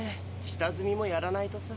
下積みもやらないとさ。